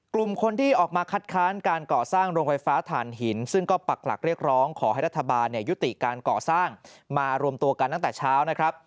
กลุ่มคนที่ออกมาคัดค้านการก่อสร้างโรงไฟฟ้าฐานหินซึ่งก็ปักหลักเรียกร้องขอให้รัฐบาลยุติการก่อสร้างมารวมตัวกันตั้งแต่เช้านะครับ